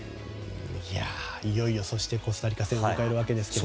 いよいよコスタリカ戦を迎えるわけですね。